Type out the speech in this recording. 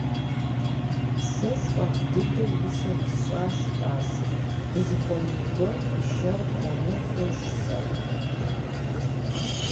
Сэ сфӏэфӏ дыдэу нысэ усщӏащ, тӏасэ, дызыхуэмей гуэр пэшэгъу тхуэмыхъуу жысӏэри.